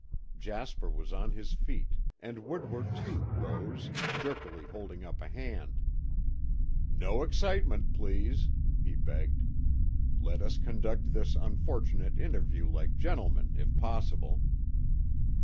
Jasper was on his feet, and Woodward too rose, jerkily holding up a hand. "No excitement, please," he begged. "Let us conduct this unfortunate interview like gentlemen, if possible."